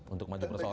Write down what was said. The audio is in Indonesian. untuk maju persoalan